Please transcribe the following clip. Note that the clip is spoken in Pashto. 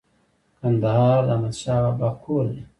کندهار د احمد شاه بابا کور دی